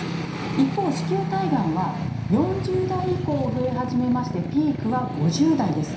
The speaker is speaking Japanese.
一方、子宮体がんは４０代以降増え始めましてピークは５０代です。